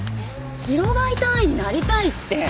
白バイ隊員になりたいって。